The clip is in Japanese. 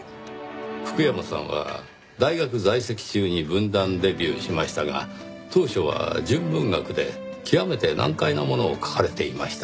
福山さんは大学在籍中に文壇デビューしましたが当初は純文学で極めて難解なものを書かれていました。